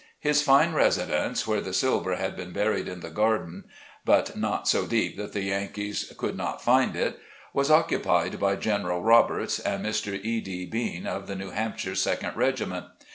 His fine residence, where the silver had been buried in the garden — but not so deep that the Yankees could not find it — was occupied by General Roberts, and Mr. E. D. Bean, of the New Hampshire second Regiment.